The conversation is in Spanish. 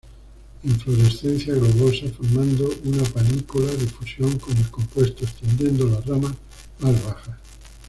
Inflorescencia globosa, formando una panícula difusión con el compuesto, extendiendo las ramas más bajas.